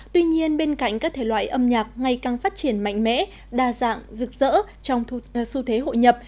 tuy nhiên bên cạnh các thể loại âm nhạc ngày càng phát triển mạnh mẽ đa dạng rực rỡ trong xu thế hội nhập